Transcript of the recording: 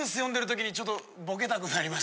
ちょっと。